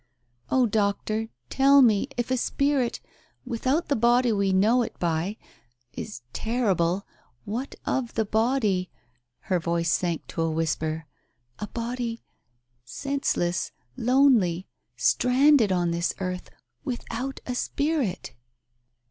"Oh, Doctor, tell me, if a spirit — without the body we know it by — is terrible, what of a body "— her voice sank to a whisper, "a body — senseless — lonely — stranded on this earth — without a spirit